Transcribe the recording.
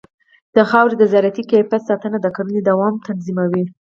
د خاورې د زراعتي کیفیت ساتنه د کرنې دوام تضمینوي.